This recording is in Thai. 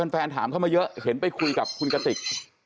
ถามเข้ามาเยอะเห็นไปคุยกับคุณกติก